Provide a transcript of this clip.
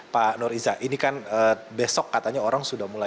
pak nur iza ini kan besok katanya orang sudah mulai